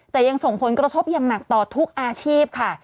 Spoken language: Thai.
แต่ยังส่งผลกระทบอย่างหนักต่อทุกอาชีพค่ะ